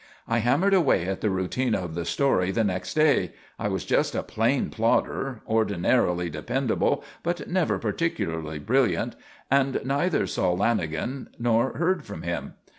I hammered away at the routine of the story the next day I was just a plain plodder, ordinarily dependable, but never particularly brilliant and neither saw Lanagan nor heard from him.